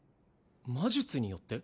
魔術によって？